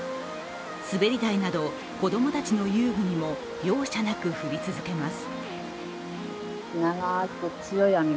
滑り台など、子供たちの遊具にも容赦なく降り続けます。